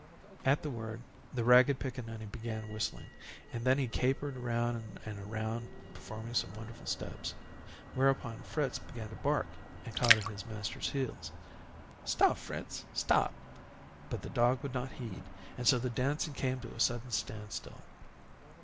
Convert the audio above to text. At the word, the ragged pickaninny began whistling, and then he capered around and around performing some wonderful steps. Whereupon Fritz began to bark and caught at his master's heels. "Stop, Fritz, stop," but the dog would not heed, and so the dancing came to a sudden stand still.